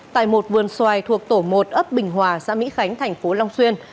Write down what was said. tại một vườn xoài thuộc tổ một ấp bình hòa xã mỹ khánh tp long xuyên